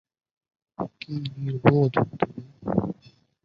কী নির্বোধ তুমি?